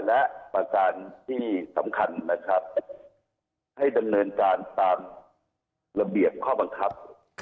และประการที่สำคัญนะครับให้ดำเนินการตามระเบียบข้อบังคับ